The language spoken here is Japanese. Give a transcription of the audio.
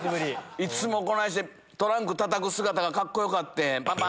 いつもこないして、トランクたたく姿がかっこよかってん。